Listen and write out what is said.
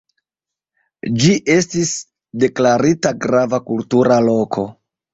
Ĝi estis deklarita Grava Kultura Loko.